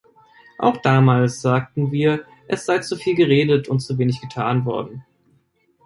Auch damals sagten wir, es sei zuviel geredet und zuwenig getan worden.